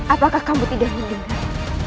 apakah kamu tidak mendengar